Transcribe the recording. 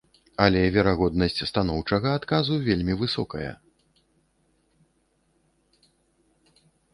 Але верагоднасць станоўчага адказу вельмі высокая.